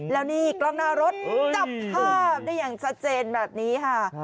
แล้วนี่กล้องหน้ารถจับภาพได้อย่างชัดเจนแบบนี้ค่ะ